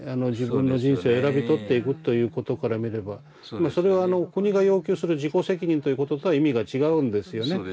自分の人生を選び取っていくということから見ればそれは国が要求する「自己責任」ということとは意味が違うんですよね。